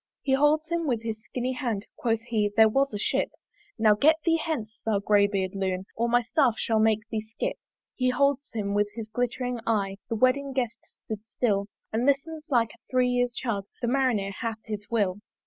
He holds him with his skinny hand, Quoth he, there was a Ship "Now get thee hence, thou grey beard Loon! "Or my Staff shall make thee skip." He holds him with his glittering eye The wedding guest stood still And listens like a three year's child; The Marinere hath his will.